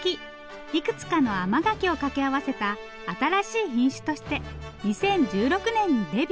いくつかの甘柿をかけあわせた新しい品種として２０１６年にデビュー。